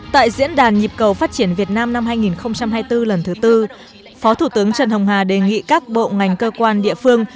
tại diễn đàn nhịp cầu phát triển việt nam năm hai nghìn hai mươi bốn lần thứ tư phó thủ tướng trần hồng hà đề nghị các bộ ngành cơ quan địa phương